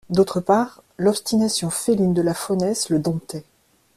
D'autre part, l'obstination féline de la faunesse le domptait.